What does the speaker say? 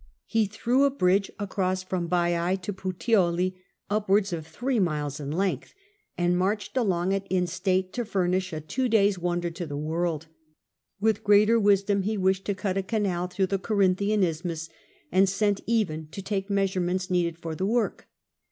He threw a bridge across from Baiae to Puteoli, upwards of three miles in length, and marched along it in state to furnish a two days^ wonder to the world. He thought of building a city upon the highest Alps; with greater wisdom he wished to cut a channel through the Corin thian isthmus, and sent even to take the measurements needed for the work.